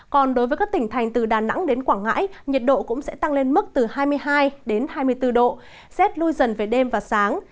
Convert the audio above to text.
còn đối với các tỉnh thành từ đà nẵng đến quảng ngãi nhiệt độ cũng sẽ tăng lên mức từ hai mươi hai đến hai mươi bốn độ rét lui dần về đêm và sáng